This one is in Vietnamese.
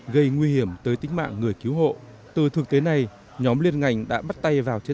gây nguy hiểm tới tính mạng người cứu hộ từ thực tế này nhóm liên ngành đã bắt tay vào chế